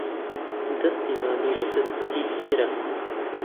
دەستی ماندوو لەسەر سکی تێرە